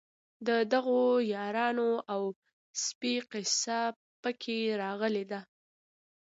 د دغو یارانو او سپي قصه په کې راغلې ده.